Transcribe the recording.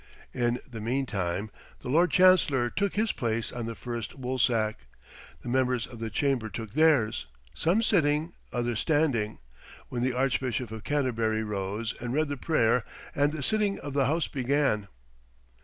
In the meantime the Lord Chancellor took his place on the first woolsack. The members of the chamber took theirs, some sitting, others standing; when the Archbishop of Canterbury rose and read the prayer, and the sitting of the house began.